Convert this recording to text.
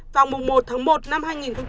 vào mùng một tháng một năm hai nghìn một mươi hai